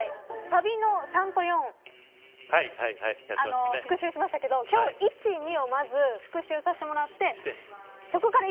サビの♯３と♯４復習しましたけど今日、♯１、♯２をまず復習させもらってそこから